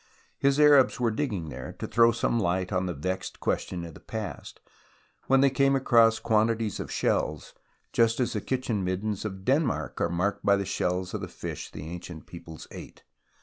His Arabs were digging there, to throw some light on the vexed question of the past, when they came across quantities of shells, just as the kitchen middens of Denmark are marked by the shells of the fish the ancient peoples ate.